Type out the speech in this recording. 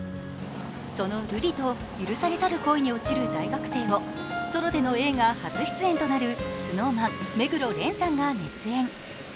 その瑠璃と許されざる恋に落ちる大学生をソロでの映画初出演となるＳｎｏｗＭａｎ・目黒蓮さんが熱演。